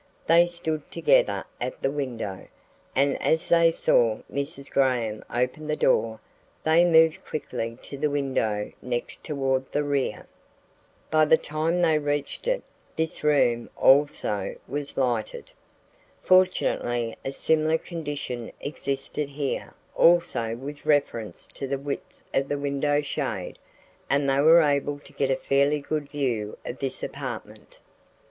They stood together at the window, and as they saw Mrs. Graham open the door they moved quickly to the window next toward the rear. By the time they reached it, this room also was lighted. Fortunately a similar condition existed here also with reference to the width of the window shade and they were able to get a fairly good view of this apartment.